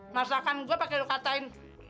masakan gua pake lu katain